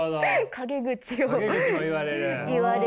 陰口を言われる。